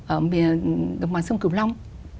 ở đồng hoàng sông cửu long